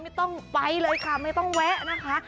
ไม่ต้องไปเลยค่ะไม่ต้องแวะนะคะ